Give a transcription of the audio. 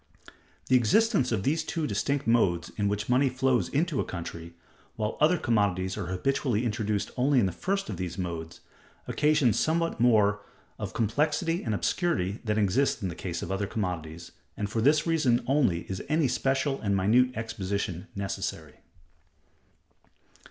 The existence of these two distinct modes in which money flows into a country, while other commodities are habitually introduced only in the first of these modes, occasions somewhat more of complexity and obscurity than exists in the case of other commodities, and for this reason only is any special and minute exposition necessary.